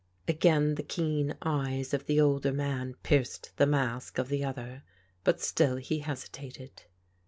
Again the keen eyes of the older man pierced the mask of the other, but still he hesitated.